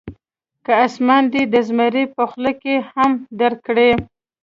که اسمان دې د زمري په خوله کې هم درکړي.